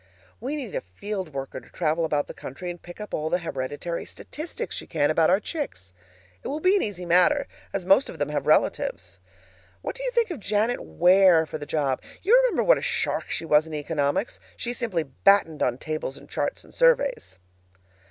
We need a field worker to travel about the country and pick up all the hereditary statistics she can about our chicks. It will be an easy matter, as most of them have relatives. What do you think of Janet Ware for the job? You remember what a shark she was in economics; she simply battened on tables and charts and surveys.